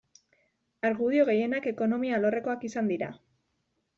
Argudio gehienak ekonomia alorrekoak izan dira.